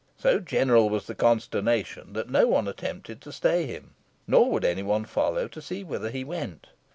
So general was the consternation, that no one attempted to stay him, nor would any one follow to see whither he went.